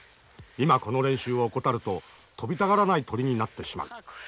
今この練習を怠ると飛びたがらない鳥になってしまう。